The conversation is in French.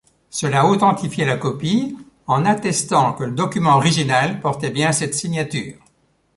Cela authentifiait la copie en attestant que le document original portait bien cette signature.